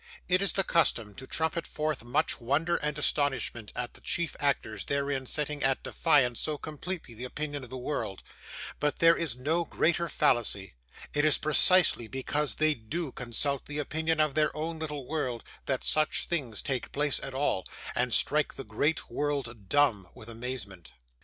It is the custom to trumpet forth much wonder and astonishment at the chief actors therein setting at defiance so completely the opinion of the world; but there is no greater fallacy; it is precisely because they do consult the opinion of their own little world that such things take place at all, and strike the great world dumb with amazement.